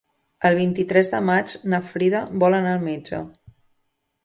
El vint-i-tres de maig na Frida vol anar al metge.